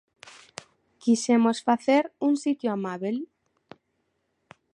Quixemos facer un sitio amábel.